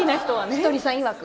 ひとりさんいわくは。